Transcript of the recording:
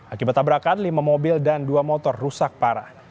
akibat tabrakan lima mobil dan dua motor rusak parah